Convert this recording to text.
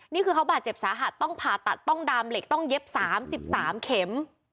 นี่คือเขาบาดเจ็บสาหัสต้องผ่าตัดต้องดามเหล็กต้องเย็บ๓๓เข็ม